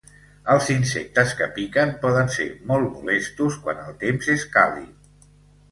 Els insectes que piquen poden ser molt molestos quan el temps és càlid.